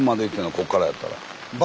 こっからやったら。